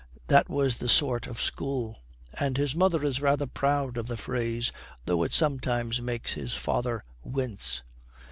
That was the sort of school; and his mother is rather proud of the phrase, though it sometimes makes his father wince.